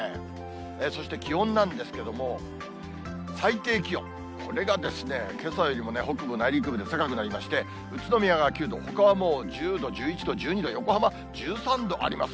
そして気温なんですけども、最低気温、これがですね、けさよりも北部、内陸部で高くなりまして、宇都宮が９度、ほかはもう１０度、１１度、１２度、横浜１３度もあります。